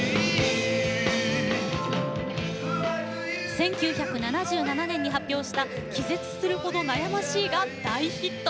１９７７年に発表した「気絶するほど悩ましい」が大ヒット。